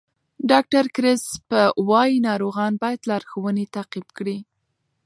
ډاکټر کریسپ وایي ناروغان باید لارښوونې تعقیب کړي.